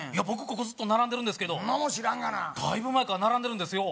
ここずっと並んでるんですけどそんなもん知らんがなだいぶ前から並んでるんですよ